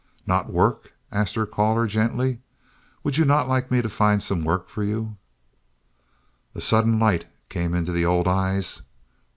"Not work?" asked her caller, gently. "Would you not like me to find some work for you?" A sudden light came into the old eyes.